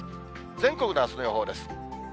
全国のあすの予報です。